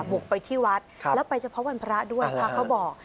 บุกไปที่วัดแล้วไปเฉพาะวันพระด้วยพระเขาบอก